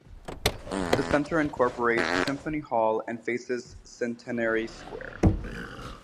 The centre incorporates Symphony Hall and faces Centenary Square.